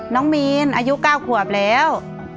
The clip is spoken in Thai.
น้องมีนอายุ๙ขวบแล้ว